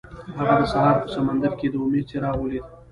هغه د سهار په سمندر کې د امید څراغ ولید.